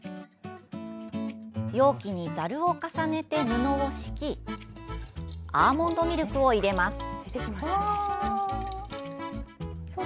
容器にザルを重ねて布を敷きアーモンドミルクを入れます。